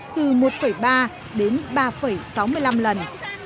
từ một ba đến ba sáu mươi năm lần